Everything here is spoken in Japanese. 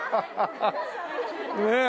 ねえ。